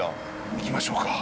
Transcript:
行きましょうか。